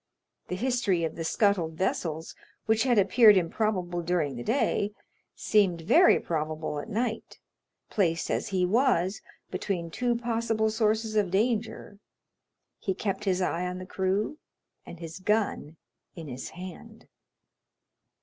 The history of the scuttled vessels, which had appeared improbable during the day, seemed very probable at night; placed as he was between two possible sources of danger, he kept his eye on the crew, and his gun in his hand.